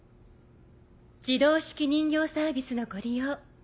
自動手記人形サービスのご利用